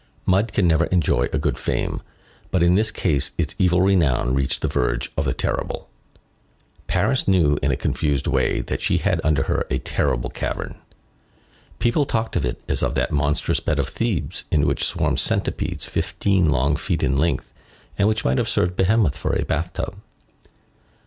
Mud can never enjoy a good fame; but in this case its evil renown reached the verge of the terrible. Paris knew, in a confused way, that she had under her a terrible cavern. People talked of it as of that monstrous bed of Thebes in which swarmed centipedes fifteen long feet in length, and which might have served Behemoth for a bathtub.